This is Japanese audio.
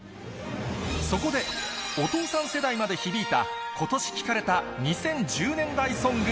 そこで、お父さん世代まで響いた、今年聴かれた２０１０年代ソング。